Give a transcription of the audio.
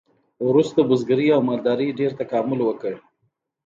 وروسته بزګرۍ او مالدارۍ ډیر تکامل وکړ.